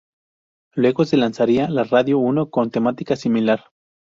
Luego se lanzaría la Radio Uno con temática similar.